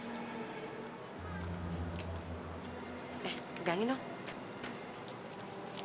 nih pegangin dong